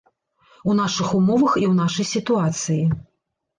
У нашых умовах і ў нашай сітуацыі.